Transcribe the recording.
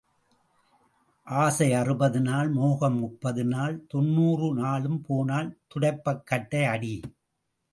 ஆசை அறுபது நாள் மோகம் முப்பது நாள் தொண்ணுாறு நாளும் போனால் துடைப்பக் கட்டை அடி.